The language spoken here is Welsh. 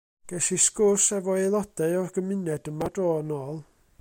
Ges i sgwrs efo aelodau o'r gymuned yma dro yn ôl.